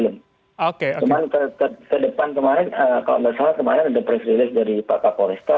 cuman ke depan kemarin kalau tidak salah kemarin ada press release dari pak pak polista